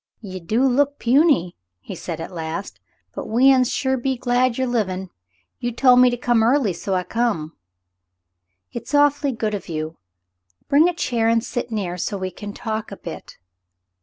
"Ye do look puny," he said at last. "But we uns sure be glad yer livin'. Ye tol' me to come early, so I come." "It's awfully good of you. Bring a chair and sit near, so we can talk a bit.